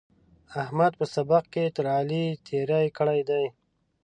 احمد په سبق کې تر علي تېری کړی دی.